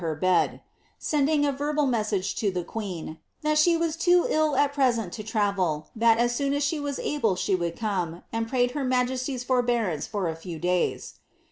her bed; sending a verbal message to the queen ^ that she was too ill at present to travel, that as soon as she was able she would cotaey and prayed her majesty's forbearance for a few days."